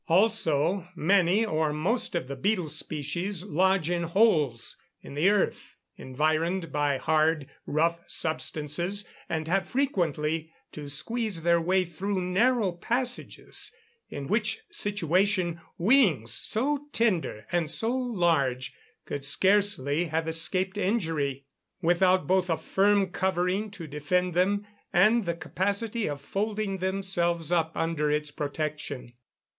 Also, Many, or most of the beetle species lodge in holes in the earth, environed by hard, rough substances, and have frequently to squeeze their way through narrow passages; in which situation, wings so tender, and so large, could scarcely have escaped injury, without both a firm covering to defend them, and the capacity of folding themselves up under its protection.